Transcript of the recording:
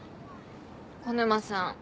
小沼さん